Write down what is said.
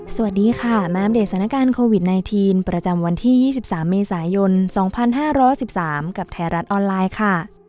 สวัสดีค่ะมาอัปเดตสถานการณ์โควิด๑๙ประจำวันที่๒๓เมษายน๒๕๑๓กับไทยรัฐออนไลน์ค่ะ